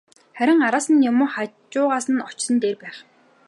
Харин араас нь юм уу, хажуугаас нь очсон нь дээр байх.